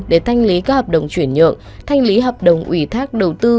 để thanh lý các hợp đồng chuyển nhượng thanh lý hợp đồng ủy thác đầu tư